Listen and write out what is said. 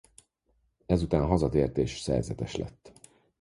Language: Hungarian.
Ezután hazatért és szerzetes lett.